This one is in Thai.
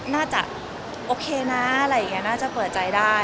น่าจะโอเคนะน่าจะเปิดใจได้